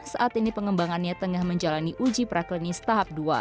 saat ini pengembangannya tengah menjalani uji praklinis tahap dua